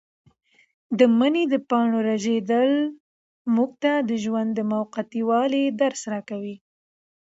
د مني د پاڼو رژېدل موږ ته د ژوند د موقتي والي درس راکوي.